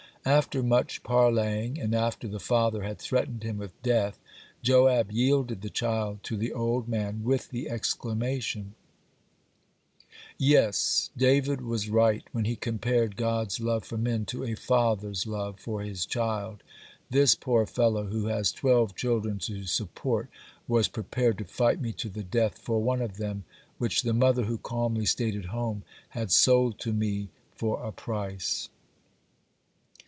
After much parleying, and after the father had threatened him with death, Joab yielded the child to the old man, with the exclamation: "Yes, David was right when he compared God's love for men to a father's love for his child. This poor fellow who has twelve children to support was prepared to fight me to the death for one of them, which the mother, who calmly stayed at home, had sold to me for a price."